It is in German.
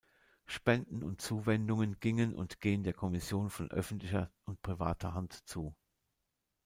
Spenden und Zuwendungen gingen und gehen der Kommission von öffentlicher und privater Hand zu.